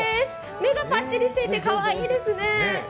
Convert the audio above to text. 目がパッチリしていて、かわいいですね。